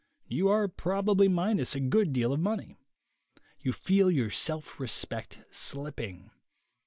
You are prob ably minus a good deal of money. You feel your self respect slipping.